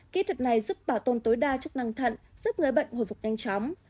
kỹ thuật này giúp bảo tồn tối đa chức năng thận giúp người bệnh hồi phục nhanh chóng